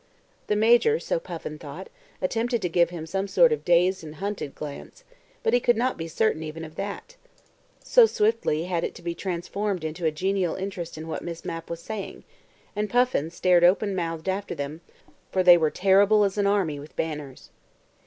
The Major, so Puffin thought, attempted to give him some sort of dazed and hunted glance; but he could not be certain even of that, so swiftly had it to be transformed into a genial interest in what Miss Mapp was saying, and Puffin stared open mouthed after them, for they were terrible as an army with banners.